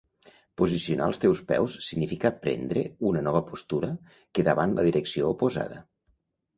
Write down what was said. Posicionar els teus peus significa prendre una nova postura que davant la direcció oposada.